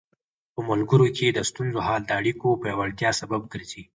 په ملګرو کې د ستونزو حل د اړیکو پیاوړتیا سبب ګرځي.